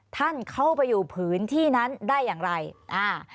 ท่านเข้าไปอยู่พื้นที่นั้นได้อย่างไรอ่า